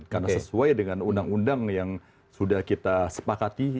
karena sesuai dengan undang undang yang sudah kita sepakati